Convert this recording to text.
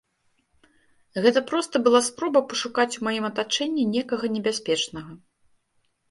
Гэта проста была спроба пашукаць у маім атачэнні некага небяспечнага.